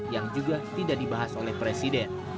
yang juga tidak dibahas oleh presiden